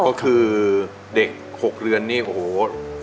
ก็คือเด็ก๖เดือนนี่โอ้โห